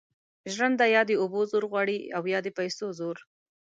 ژرنده یا د اوبو زور غواړي او یا د پیسو زور.